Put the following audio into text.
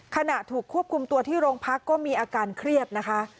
ขณะถูกควบคุมตัวที่โรงพักก็มีอาการเครียดนะคะ